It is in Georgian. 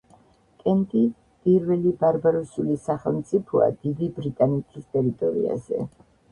კენტი პირველი ბარბაროსული სახელმწიფოა დიდი ბრიტანეთის ტერიტორიაზე.